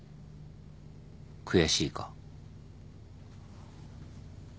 悔しいか。